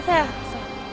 そう。